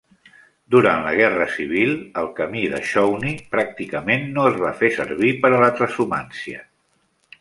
Durant la Guerra Civil, el camí de Shawnee pràcticament no es va fer servir per a la transhumància.